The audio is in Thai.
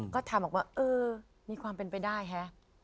ก็ทำออกมาเออมีความเป็นไปได้ฮะ